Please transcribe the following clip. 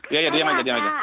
iya iya diam aja